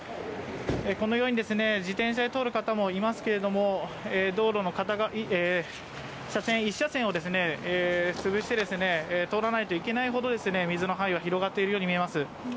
このように自転車で通る方もいますけれども、道路の車線１車線を潰して通らないといけないほど水の範囲は広がっているように見えます。